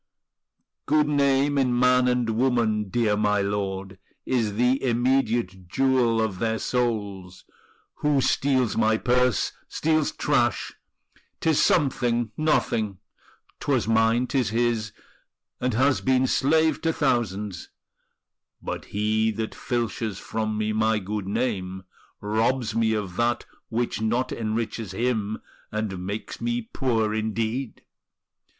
"Good name in man and woman, dear my lord, Is the immediate jewel of their souls: Who steals my purse steals trash; 'tis something, nothing; 'Twas mine, 'tis his, and has been slave to thousands; But he that filches from me my good name, Robs me of that which not enriches him, And makes me poor indeed!"